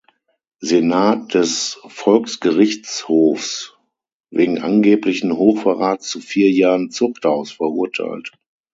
Senat des Volksgerichtshofs wegen angeblichen Hochverrats zu vier Jahren Zuchthaus verurteilt.